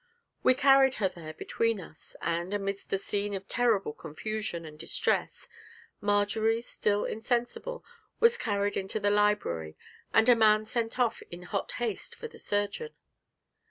We carried her there between us, and, amidst a scene of terrible confusion and distress, Marjory, still insensible, was carried into the library, and a man sent off in hot haste for the surgeon.